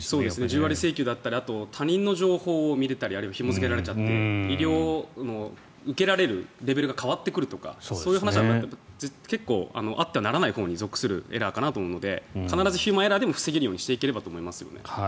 １０割請求だったり他人の情報を見れたりひも付けられちゃって医療を受けられるレベルが変わってくるというそういう話は結構、あってはならないほうに属するエラーかなと思うので必ずヒューマンエラーでも防げるようにしていければと思いますね。